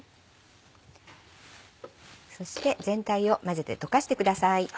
そして全体を混ぜて溶かしてください。